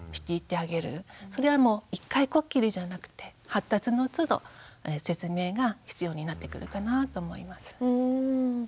それはもう一回こっきりじゃなくて発達のつど説明が必要になってくるかなと思います。